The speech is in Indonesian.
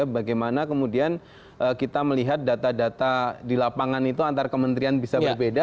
bagaimana kemudian kita melihat data data di lapangan itu antar kementerian bisa berbeda